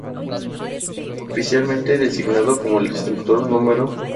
Originalmente designado como el "Destructor No.